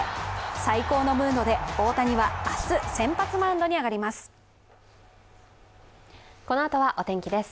最高のムードで大谷は明日、先発マウンドに上がります。